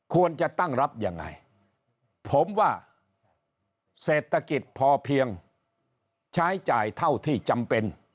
ควรจะตั้งรับยังไงผมว่าเศรษฐกิจพอเพียงใช้จ่ายเท่าที่จำเป็น